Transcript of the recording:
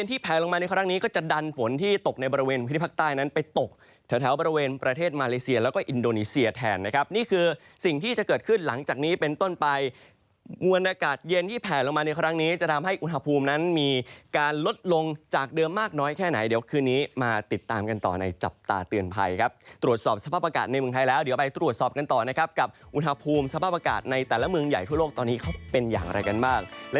ในวันอากาศเย็นที่แผลลงมาในครั้งนี้จะทำให้อุณหภูมินั้นมีการลดลงจากเดิมมากน้อยแค่ไหนเดี๋ยวคืนนี้มาติดตามกันต่อในจับตาเตือนไพรครับตรวจสอบสภาพอากาศในเมืองไทยแล้วเดี๋ยวไปตรวจสอบกันต่อนะครับกับอุณหภูมิสภาพอากาศในแต่ละเมืองใหญ่ทั่วโลกตอนนี้เขาเป็นอย่างอะไรกันบ้างแล